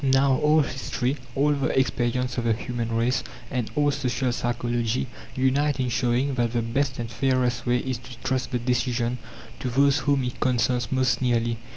Now all history, all the experience of the human race, and all social psychology, unite in showing that the best and fairest way is to trust the decision to those whom it concerns most nearly.